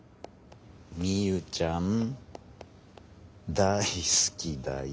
みゆちゃん大好きだよ」